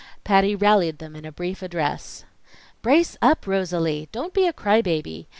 Patty rallied them in a brief address. "Brace up, Rosalie! Don't be a cry baby.